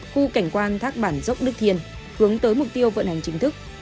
khu cảnh quan thác bản dốc đức thiên hướng tới mục tiêu vận hành chính thức